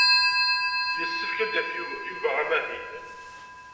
Yessefk ad d-yaf Yuba amahil.